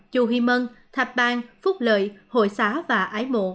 chù huy mân thạch bang phúc lợi hội xá và ái mộ